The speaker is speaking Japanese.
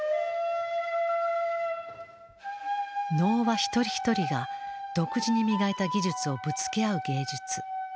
能は一人一人が独自に磨いた技術をぶつけ合う芸術。